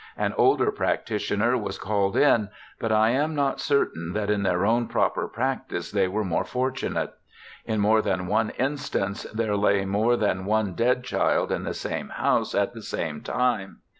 An older practitioner was called in, but I am not certain that in their own proper practice they were more fortu nate. In more than one instance there lay more than one dead child in the same house at the same time.